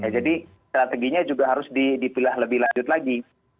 jadi strateginya juga harus dipilih lebih lanjut lagi